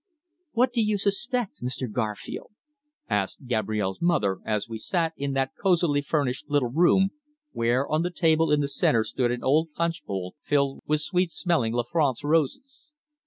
"What do you suspect, Mr. Garfield?" asked Gabrielle's mother, as we sat in that cosily furnished little room where on the table in the centre stood an old punch bowl filled with sweet smelling La France roses.